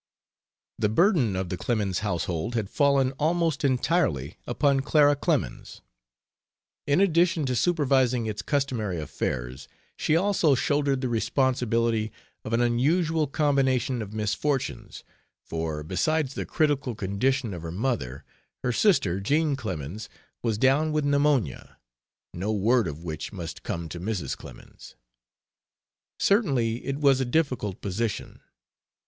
The burden of the Clemens household had fallen almost entirely upon Clara Clemens. In addition to supervising its customary affairs, she also shouldered the responsibility of an unusual combination of misfortunes, for besides the critical condition of her mother, her sister, Jean Clemens, was down with pneumonia, no word of which must come to Mrs. Clemens. Certainly it was a difficult position.